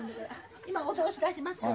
今お通し出しますから。